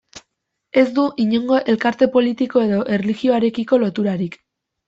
Ez du inongo elkarte politiko edo erlijiorekiko loturarik.